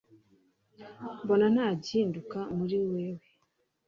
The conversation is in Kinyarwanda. mbona nta gihinduka muri wewe